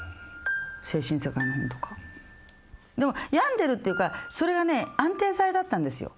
精神世界の本とかでも病んでるっていうかそれがね安定剤だったんですよ